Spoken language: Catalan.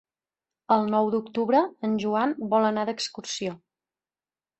El nou d'octubre en Joan vol anar d'excursió.